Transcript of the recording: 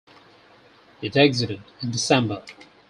It exited in December.